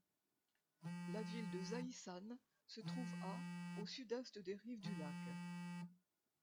La ville de Zaïssan se trouve à au sud-est des rives du lac.